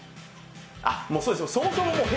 そうです